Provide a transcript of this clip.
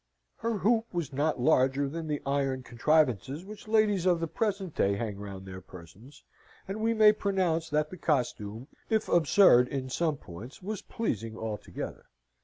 Her hoop was not larger than the iron contrivances which ladies of the present day hang round their persons; and we may pronounce that the costume, if absurd in some points, was pleasing altogether.